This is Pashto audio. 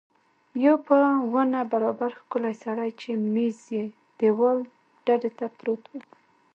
یو په ونه برابر ښکلی سړی چې مېز یې دېواله ډډې ته پروت و.